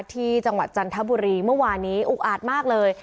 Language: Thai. จังหวัดจันทบุรีเมื่อวานนี้อุกอาจมากเลย